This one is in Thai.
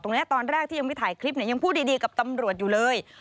ตรงนี้ตอนแรกที่ยังไม่ถ่ายคลิปยังพูดดีกับตำรวจอยู่เลย